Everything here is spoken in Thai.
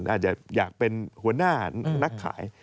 อาจจะอยากเป็นหัวหน้านักขาย